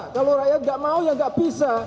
kalau rakyat enggak mau ya enggak bisa